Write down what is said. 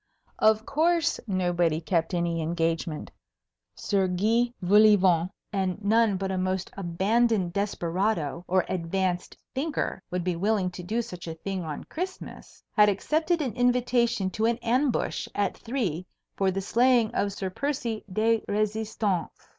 Of course nobody kept any engagement. Sir Guy Vol au Vent (and none but a most abandoned desperado or advanced thinker would be willing to do such a thing on Christmas) had accepted an invitation to an ambush at three for the slaying of Sir Percy de Résistance.